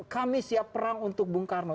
kami siap perang untuk bung karno